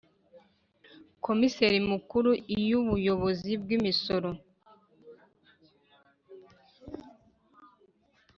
Komiseri Mukuru Iyo Ubuyobozi bw imisoro